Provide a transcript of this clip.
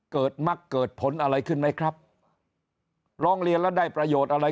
มักเกิดผลอะไรขึ้นไหมครับร้องเรียนแล้วได้ประโยชน์อะไร